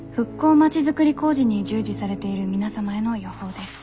町づくり工事に従事されている皆様への予報です。